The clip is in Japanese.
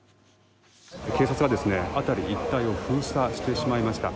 警察が辺り一帯を封鎖してしまいました。